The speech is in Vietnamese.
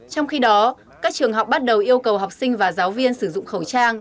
trong khi đó các trường học bắt đầu yêu cầu học sinh và giáo viên sử dụng khẩu trang